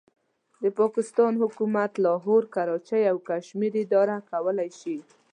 د پاکستان حکومت لاهور، کراچۍ او کشمیر اداره کولای شي.